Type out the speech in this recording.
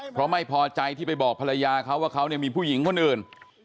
เพราะไม่พอใจที่ไปบอกภรรยาเขาว่าเขามีผู้หญิงคนอื่น